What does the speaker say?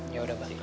ya udah pak